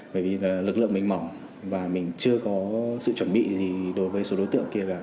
bởi vì là lực lượng mình mỏng và mình chưa có sự chuẩn bị gì đối với số đối tượng kia cả